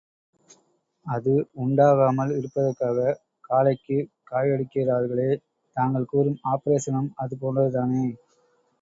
அது உண்டாகாமல் இருப்பதற்காகக் காளைக்குக் காயடிக்கிறார்களே, தாங்கள் கூறும் ஆப்பரேஷனும் அது போன்றதுதானே?